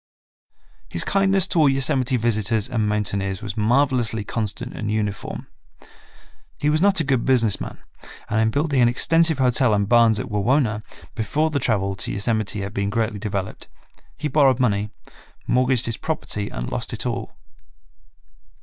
His kindness to all Yosemite visitors and mountaineers was marvelously constant and uniform. He was not a good business man, and in building an extensive hotel and barns at Wawona, before the travel to Yosemite had been greatly developed, he borrowed money, mortgaged his property and lost it all.